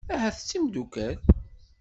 Ahat d timeddukal.